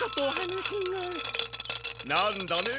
なんだね？